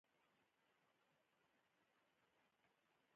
سياست د ممکناتو لوبه ده.